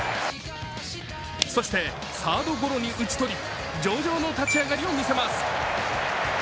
そして、サードゴロに打ち取り、上々の立ち上がりを見せます。